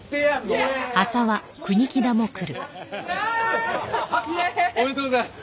班長！おめでとうございます。